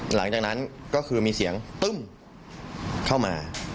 หลังจากนั้นก็คือมีเสียงตึ้มเข้ามา